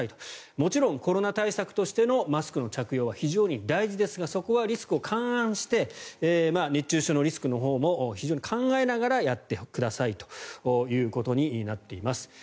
もちろんコロナ対策としてのマスクの着用は非常に大事ですがそこはリスクを勘案して熱中症のリスクのほうも考えながらやってくださいということになっています。